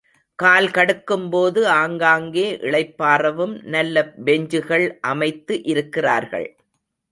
கால் கடுக்கும்போது ஆங்காங்கே, இளைப்பாறவும் நல்ல பெஞ்சுகள் அமைத்து இருக்கிறார்கள்.